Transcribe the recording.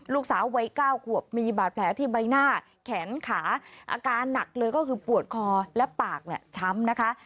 ลูกสาววัย๙ขวบมีบาดแผลที่ใบหน้าแขนขาอาการหนักเลยก็คือปวดคอและปากเนี่ยช้ำนะคะ